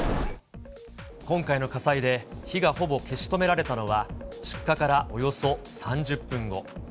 今回の火災で火がほぼ消し止められたのは、出火からおよそ３０分後。